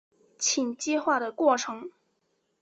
羟基化的过程。